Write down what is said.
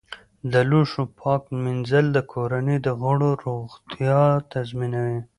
د لوښو پاک مینځل د کورنۍ د غړو روغتیا تضمینوي.